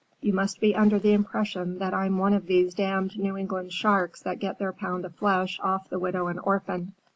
You must be under the impression that I'm one of these damned New England sharks that get their pound of flesh off the widow and orphan.